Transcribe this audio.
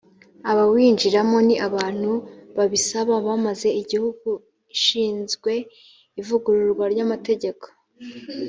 abawinjiramo ni abantu babisaba bamaze igihugu ishinzwe ivugururwa ry amategeko